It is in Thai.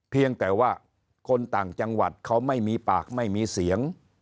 เพียงแต่ว่าคนต่างจังหวัดเขาไม่มีปากไม่มีเสียง